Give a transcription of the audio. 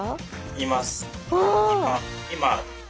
います。